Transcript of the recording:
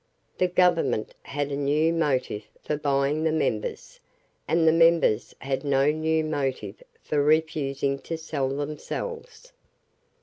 The government had a new motive for buying the members; and the members had no new motive for refusing to sell themselves.